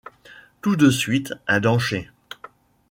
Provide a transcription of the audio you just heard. Tout de suite un danger